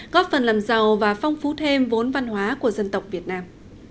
góp phần làm giàu và phong phú thêm vốn văn hóa của dân tộc việt nam